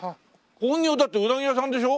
本業だってうなぎ屋さんでしょ？